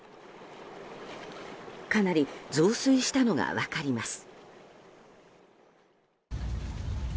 かなり増水したのが分かります。